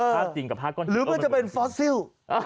ภาพจริงกับภาพก้อนหิวหรือเมื่อจะเป็นฟอสซิล